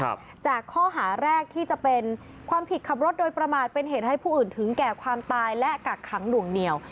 จากข้อหาแรกที่จะเป็นความผิดขับรถโดยประมาทเป็นเหตุให้ผู้อื่นถึงแก่ความตายและกักขังหน่วงเหนียว